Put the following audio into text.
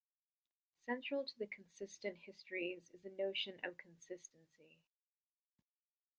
Central to the consistent histories is the notion of consistency.